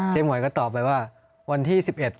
หมวยก็ตอบไปว่าวันที่๑๑